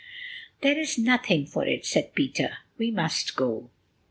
"There is nothing for it," said Peter; "we must go."